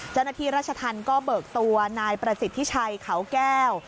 เจ้าหน้าที่ราชธรรมก็เบิกตัวนายประสิทธิชัยเขาแก้ว